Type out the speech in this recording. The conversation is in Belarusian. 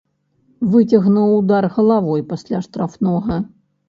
Выцягнуў удар галавой пасля штрафнога.